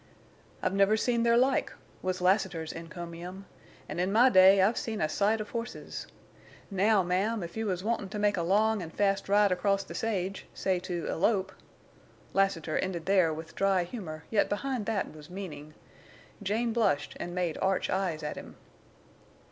"I never seen their like," was Lassiter's encomium, "an' in my day I've seen a sight of horses. Now, ma'am, if you was wantin' to make a long an' fast ride across the sage—say to elope—" Lassiter ended there with dry humor, yet behind that was meaning. Jane blushed and made arch eyes at him.